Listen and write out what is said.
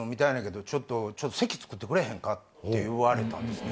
「席つくってくれへんか？」って言われたんですね。